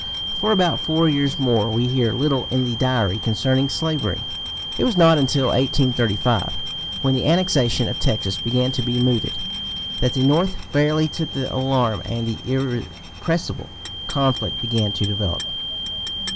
For about four years more we hear little in the Diary concerning slavery. It was not until 1835, when the annexation of Texas began to be mooted, that the North fairly took the alarm, and the irrepressible conflict began to develop.